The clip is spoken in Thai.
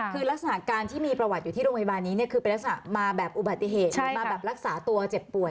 คือลักษณะการที่มีประวัติอยู่ที่โรงพยาบาลนี้เนี่ยคือเป็นลักษณะมาแบบอุบัติเหตุมาแบบรักษาตัวเจ็บป่วย